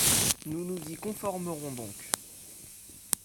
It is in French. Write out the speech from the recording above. Nous nous y conformerons donc.